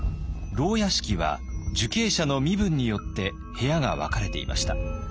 牢屋敷は受刑者の身分によって部屋が分かれていました。